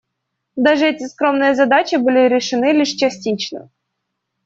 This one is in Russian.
Даже эти скромные задачи были решены лишь частично.